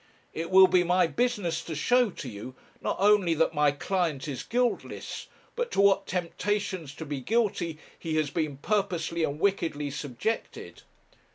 It will be my business to show to you, not only that my client is guiltless, but to what temptations to be guilty he has been purposely and wickedly subjected.